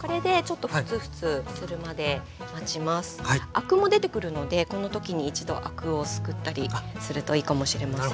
アクも出てくるのでこの時に一度アクをすくったりするといいかもしれません。